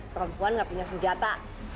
perempuan gak punya senjata